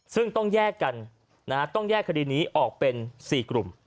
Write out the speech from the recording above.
ซึ่งต้องแยกกันต้องแยกคดีนี้ออกเป็น๔กลุ่ม